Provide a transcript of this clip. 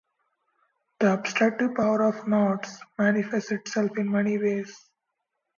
The obstructive power of knots manifests itself in many ways.